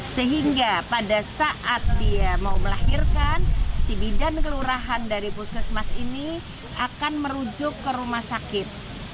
sehingga pada saat dia mau melahirkan si bidan kelurahan dari puskesmas ini akan merujuk ke rumah sakit